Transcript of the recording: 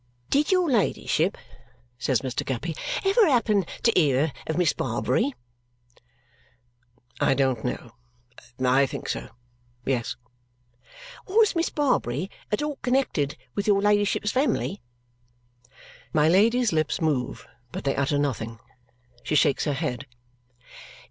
"Did your ladyship," says Mr. Guppy, "ever happen to hear of Miss Barbary?" "I don't know. I think so. Yes." "Was Miss Barbary at all connected with your ladyship's family?" My Lady's lips move, but they utter nothing. She shakes her head.